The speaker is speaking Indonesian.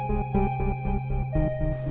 apakah seorang wanita yang berpengalaman